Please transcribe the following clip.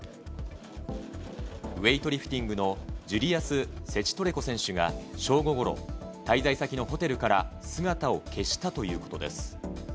ウエイトリフティングのジュリアス・セチトレコ選手が正午ごろ、滞在先のホテルから姿を消したということです。